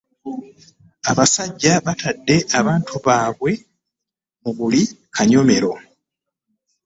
Abasajja batadde abantu baabwe mu buli kanyomero.